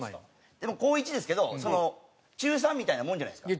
でも高１ですけどその中３みたいなもんじゃないですか。